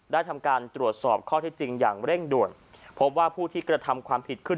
ทำการตรวจสอบข้อที่จริงอย่างเร่งด่วนพบว่าผู้ที่กระทำความผิดขึ้น